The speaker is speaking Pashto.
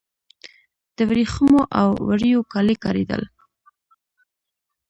د وریښمو او وړیو کالي کاریدل